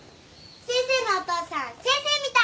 先生のお父さん先生みたい。